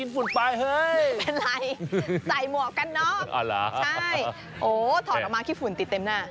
ไม่เป็นไรใส่หมวกกันน็อกใช่โอ้ถอดออกมาขี้ฝุ่นติดเต็มหน้า